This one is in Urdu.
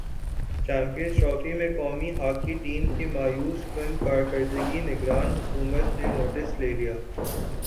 چیمپینز ٹرافی میں قومی ہاکی ٹیم کی مایوس کن کارکردگی نگران حکومت نے نوٹس لے لیا